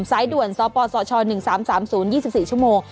ไซด์ด่วนซอปอลสช๑๓๓๐๒๔ชั่วโมง